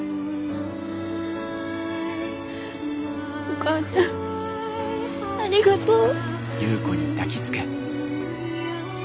お母ちゃんありがとう。